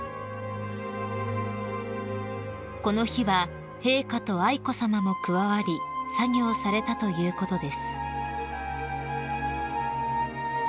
［この日は陛下と愛子さまも加わり作業されたということです］